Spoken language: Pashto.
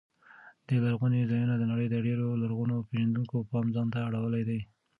دې لرغونو ځایونو د نړۍ د ډېرو لرغون پېژندونکو پام ځان ته اړولی دی.